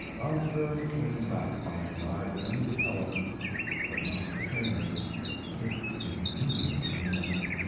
Lounsbury came back by and by, bringing the elephant but not the trainer. It didn't need a trainer.